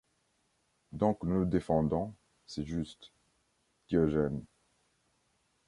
Donc nous nous défendons, c'est juste. Diogène